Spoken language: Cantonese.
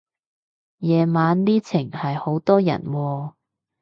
夜晚呢程係好多人喎